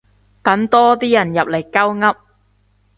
等多啲人入嚟鳩噏